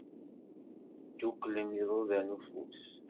Dduklen iḍudan n ufus.